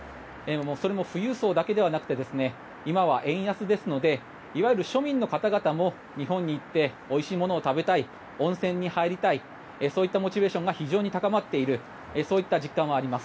それも富裕層だけじゃなくて今は円安ですのでいわゆる庶民の方々も日本に行っておいしいものを食べたい温泉に入りたいそういったモチベーションが非常に高まっている実感はあります。